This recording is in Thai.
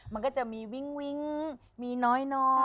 มันก็จะมีวิ้งมีน้อย